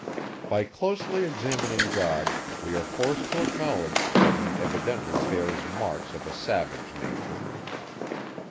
By closely examining God, we are forced to acknowledge, that he evidently bears marks of a savage nature.